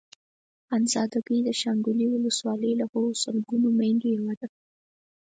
خانزادګۍ د شانګلې ولسوالۍ له هغو سلګونو ميندو يوه ده.